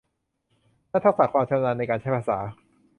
และทักษะความชำนาญในการใช้ภาษา